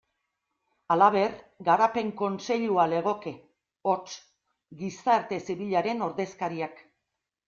Halaber, Garapen Kontseilua legoke, hots, gizarte zibilaren ordezkariak.